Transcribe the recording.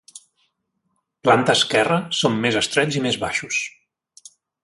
Planta esquerra són més estrets i més baixos.